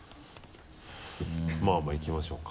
まぁまぁいきましょうか。